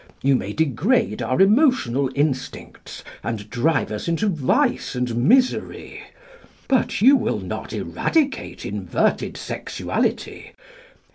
You may degrade our emotional instincts and drive us into vice and misery. But you will not eradicate inverted sexuality.